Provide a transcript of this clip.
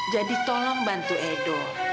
jadi tolong bantu edo